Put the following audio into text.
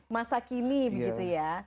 masa kini begitu ya